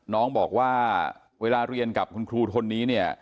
น้องบอกว่าเวลาเรียนกับคุณครูคนนี้เนี่ย